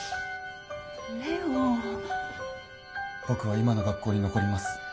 僕は今の学校に残ります。